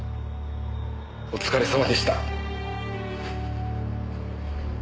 お疲れさまでした。